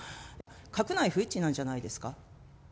閣内不一致なんじゃないですか。